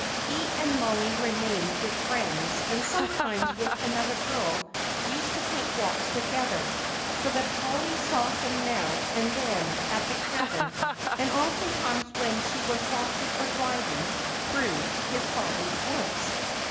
He and Mollie remained good friends and sometimes with another girl used to take walks together, so that Polly saw him now and then at the cabin and oftentimes when she was walking or driving through his father's woods.